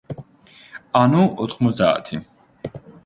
ანუ, ოთხმოცდაათი.